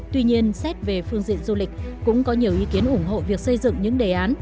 tuy nhiên xét về phương diện du lịch cũng có nhiều ý kiến ủng hộ việc xây dựng những đề án